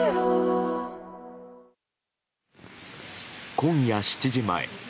今夜７時前。